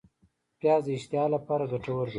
پیاز د اشتها لپاره ګټور دی